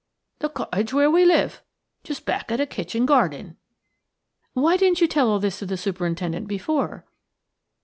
"The cottage where we live. Just back of the kitchen garden." "Why didn't you tell all this to the superintendent before?"